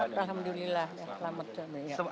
selamat alhamdulillah selamat